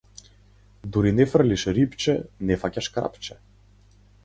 Дури не фрлиш рипче, не фаќаш крапче.